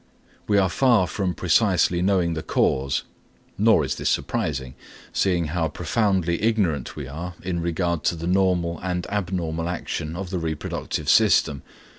We are far from precisely knowing the cause; nor is this surprising, seeing how profoundly ignorant we are in regard to the normal and abnormal action of the reproductive system.